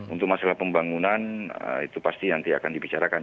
untuk masalah pembangunan itu pasti nanti akan dibicarakan